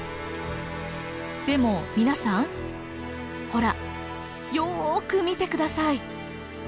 でも皆さんほらよく見て下さい。